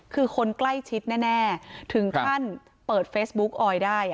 คือคนใกล้ชิดแน่ถึงขั้นเปิดเฟซบุ๊กออยได้